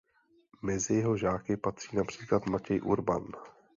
Mezi jeho žáky patří například Matěj Urban.